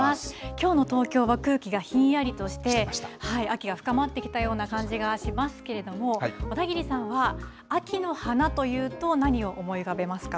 きょうの東京は空気がひんやりとして、秋が深まってきたような感じがしますけれども、小田切さんは秋の花というと、何を思い浮かべますか。